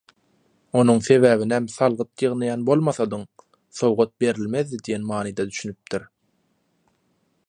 Onuň sebäbinem salgyt ýygnaýan bolmasadyň, sowgat berilmezdi diýen manyda düşündiripdir.